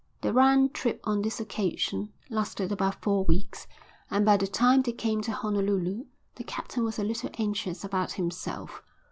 The round trip on this occasion lasted about four weeks and by the time they came to Honolulu the captain was a little anxious about himself.